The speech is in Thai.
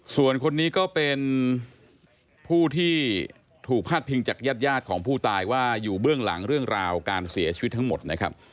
ส่วนคนนี้ก็เป็นผู้ที่ถูกพาดพิงจากญาติของผู้ตายว่าอยู่เบื้องหลังเรื่องราวการเสียชีวิตทั้งหมดนะครับ